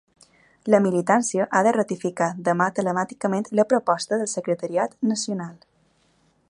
La militància ha de ratificar demà telemàticament la proposta del secretariat nacional.